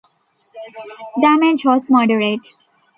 Damage was moderate.